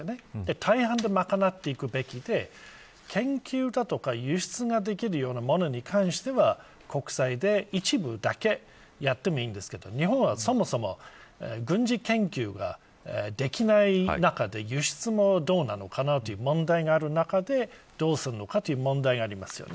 大半で賄っていくべきで研究だとか輸出ができるようなものに関しては国債で一部だけやってもいいんですが日本は、そもそも軍事研究ができない中で輸出もどうなのかなという問題がある中でどうするのかという問題がありますよね。